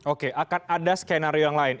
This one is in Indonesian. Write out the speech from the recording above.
oke akan ada skenario yang lain